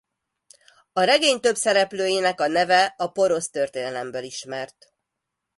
A regény több szereplőjének a neve a porosz történelemből ismert.